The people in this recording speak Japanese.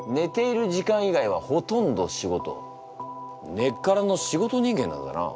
根っからの仕事人間なんだな。